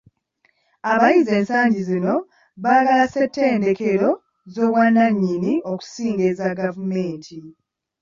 Abayizi ensangi zino baagala ssettendekero z'obwannannyini okusinga eza gavumenti.